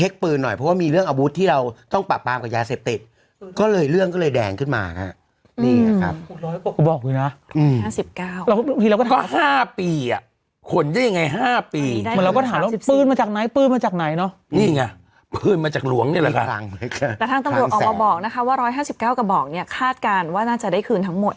คาดการณ์ว่าน่าจะได้คืนทั้งหมดท่านจะเอาคืนให้ทั้งหมดเลยเหรอ